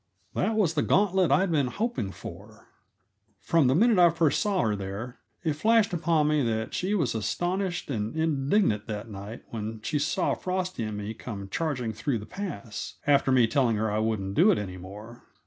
That was the gauntlet I'd been hoping for. From the minute I first saw her there it flashed upon me that she was astonished and indignant that night when she saw Frosty and me come charging through the pass, after me telling her I wouldn't do it any more.